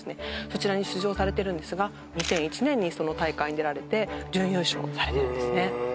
そちらに出場されてるんですが２００１年にその大会に出られて準優勝されてるんですね